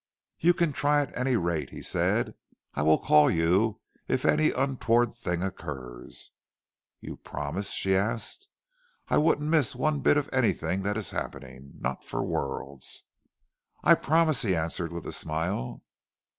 "You can try at any rate," he said. "I will call you if any untoward thing occurs." "You promise?" she asked. "I wouldn't miss one bit of anything that is happening not for worlds." "I promise," he answered with a smile.